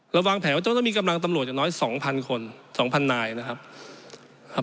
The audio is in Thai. ระวังแผงว่าจะต้องมีกำลังตำรวจอย่างน้อย๒๐๐๐คน๒๐๐๐นายนะครับ